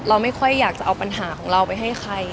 เราไม่ค่อยอยากจะเอาปัญหาของเราไปให้ใคร